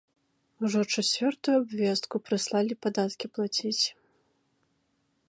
Ужо чацвёртую абвестку прыслалі падаткі плаціць.